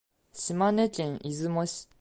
島根県出雲市